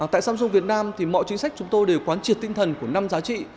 tại samsung việt nam thì mọi chính sách chúng tôi đều quán triệt tinh thần của năm giá trị